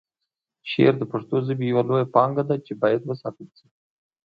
شعر د پښتو ژبې یوه لویه پانګه ده چې باید وساتل شي.